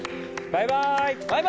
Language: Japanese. バイバイ！